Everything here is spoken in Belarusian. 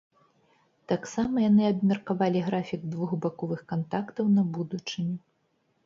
Таксама яны абмеркавалі графік двухбаковых кантактаў на будучыню.